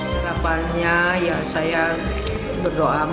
kenapa saya berdoa